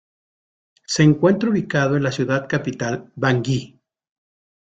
Se encuentra ubicado en la ciudad capital, Bangui.